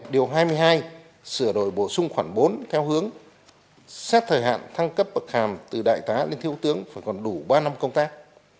điều hai mươi hai sửa đổi bổ sung khoảng bốn theo hướng xét thời hạn thăng cấp bậc hàm từ đại tá lên thiếu tướng phải còn đủ ba năm công tác